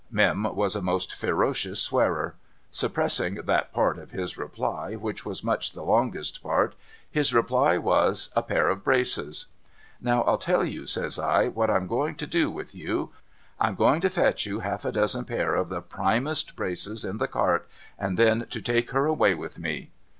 Mim was a most ferocious swearer. Suppressing that part of his reply which was much the longest part, his reply was, ' A pair of braces.' ' Now I'll tell you,' says I, ' what I'm going to do with you. I'm a going to fetch you half a dozen pair of the primest braces in the cart, and then to take her away with me.'